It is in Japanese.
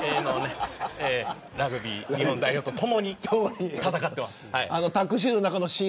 ラグビー日本代表とともに戦ってます。